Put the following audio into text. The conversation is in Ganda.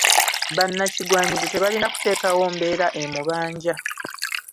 Bannakigwanyizi tebalina kuteekawo mbeera emubanja.